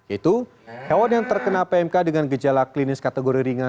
itu hewan yang terkena pmk dengan gejala klinis kategori ringan